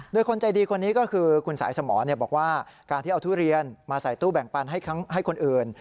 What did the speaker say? โดยคนใจดีคนนี้ก็คือคุณสายสมรบอกว่าการที่เอาทุเรียนมาใส่ตู้แบ่งปันให้คนอื่น